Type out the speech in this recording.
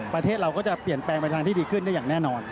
ประเทศเราก็จะเปลี่ยนแปลงไปทางที่ดีขึ้นได้อย่างแน่นอน